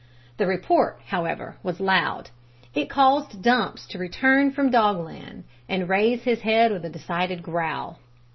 The report, however, was loud. It caused Dumps to return from Dogland and raise his head with a decided growl.